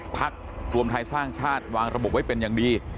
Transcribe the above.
พักรวมไทยสร้างชาติวางระบบไว้เป็นอย่างดี